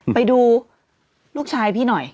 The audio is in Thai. ไปดูลูกชายพี่หน่อย